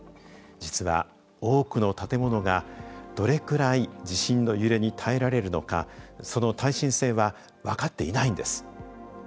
実は多くの建物がどれくらい地震の揺れに耐えられるのか、その耐震性は分かっていないんです。